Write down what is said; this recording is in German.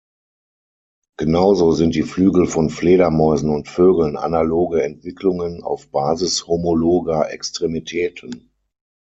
Genauso sind die Flügel von Fledermäusen und Vögeln analoge Entwicklungen auf Basis homologer Extremitäten.